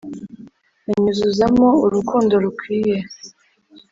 Anyuzuzamo urukundo rukwiye